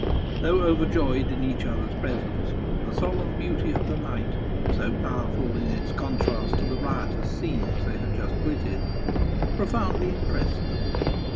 Though overjoyed in each other's presence, the solemn beauty of the night, so powerful in its contrast to the riotous scene they had just quitted, profoundly impressed them.